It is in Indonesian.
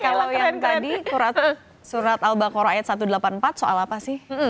kalau yang tadi surat al baqarah ayat satu ratus delapan puluh empat soal apa sih